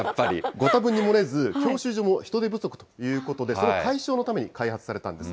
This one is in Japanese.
ご多分に漏れず、教習所も人手不足ということで、その解消のために開発されたんです。